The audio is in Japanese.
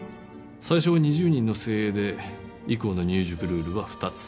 最初は２０人の精鋭で以降の入塾ルールは２つ。